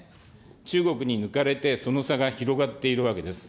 中国に抜かれて、その差が広がっているわけです。